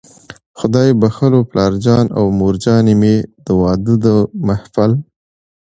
خدای بښلو پلارجان او مورجانې مې، د واده د محفل